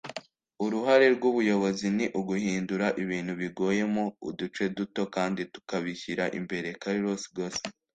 uruhare rw'ubuyobozi ni uguhindura ibintu bigoye mo uduce duto kandi tukabishyira imbere. - carlos ghosn